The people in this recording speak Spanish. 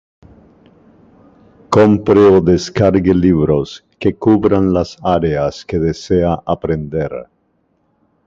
Compre o descargue libros que cubran las áreas que desea aprender.